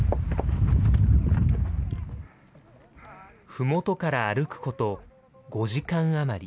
ふもとから歩くこと５時間余り。